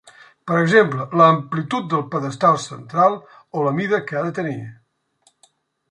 Per exemple, l'amplitud del pedestal central o la mida que ha de tenir.